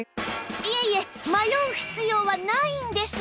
いえいえ迷う必要はないんです！